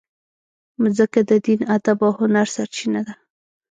مځکه د دین، ادب او هنر سرچینه ده.